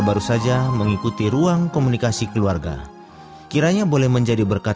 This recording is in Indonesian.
bahagia hingga tiba di surga